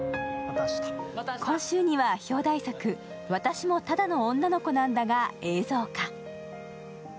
今週には表題作、「私もただの女の子なんだ」が映像化。